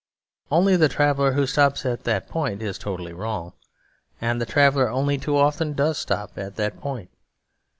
Only the traveller who stops at that point is totally wrong; and the traveller only too often does stop at that point.